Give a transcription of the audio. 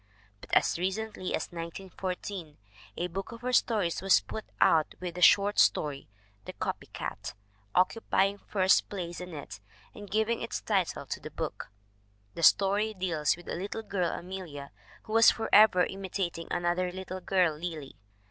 But as recently as 1914 a book of her stories was put out with the short story, The Copy Cat, occupying first place in it and giving its title to the book ! The story deals with a little girl, Amelia, who was forever imitat ing another little girl, Lily.